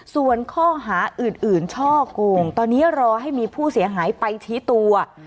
ส่วนข้อหาอื่นช่อกงตอนนี้รอให้มีผู้เสียหายไปชี้ตัว